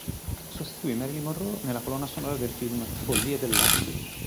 Sostituì Marilyn Monroe nella colonna sonora del film "Follie dell'anno".